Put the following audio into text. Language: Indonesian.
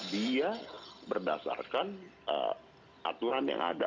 dia berdasarkan aturan yang ada